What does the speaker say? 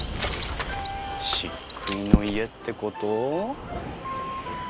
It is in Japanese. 漆喰の家ってこと？